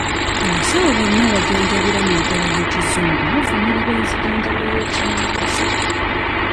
Abasawo bonna abajjanjabira mu nkola ey'ekizungu bavumirira enzijanjaba y'ekinnansi.